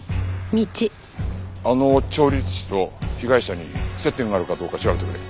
あの調律師と被害者に接点があるかどうか調べてくれ。